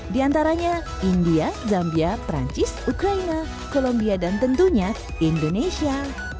diantaranya india zambia prancis ukraina kolombia dan tentunya indonesia